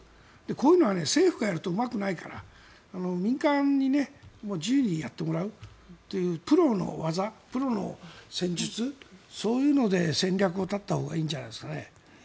こういうのは政府がやるとうまくないから民間に自由にやってもらうというプロの技、プロの戦術そういうので戦略を立てたほうがいいんじゃないですかね。